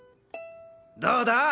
どうだ？